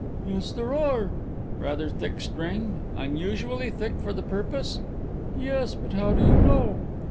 "Yes, there are." "Rather thick string unusually thick for the purpose?" "Yes; but how do you know?"